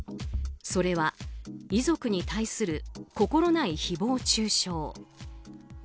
それは遺族に対する心ない誹謗中傷。